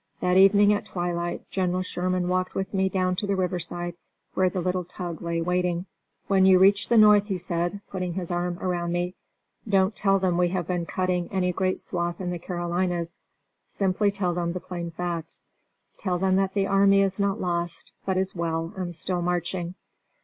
That evening at twilight General Sherman walked with me down to the riverside where the little tug lay waiting. "When you reach the North," he said, putting his arm around me, "don't tell them we have been cutting any great swath in the Carolinas; simply tell them the plain facts; tell them that the army is not lost, but is well, and still marching."